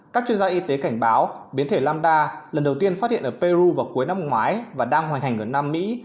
các chuyên gia y tế cảnh báo biến thể lamda lần đầu tiên phát hiện ở peru vào cuối năm ngoái và đang hoành hành ở nam mỹ